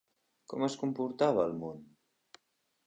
Com es comportava el món?